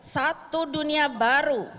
satu dunia baru